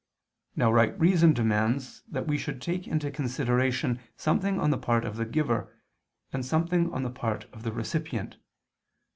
Now right reason demands that we should take into consideration something on the part of the giver, and something on the part of the recipient.